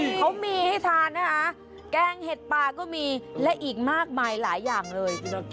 เขามีให้ทานนะคะแกงเห็ดปลาก็มีและอีกมากมายหลายอย่างเลย